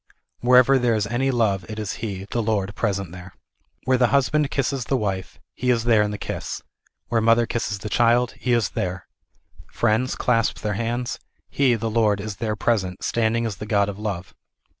"Wher ever there is any love it is He, the Lord present there." W^here the husband kisses the wife, He is there in the kiss ; where the mother kisses the child, He is there ; friends clasp their hands, He, the Lord, is there present, standing as the God of Love.